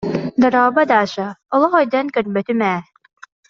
Дорообо, Даша, олох өйдөөн көрбөтүм ээ